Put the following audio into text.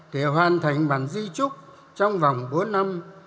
để hoàn thành bản di trúc trong vòng bốn năm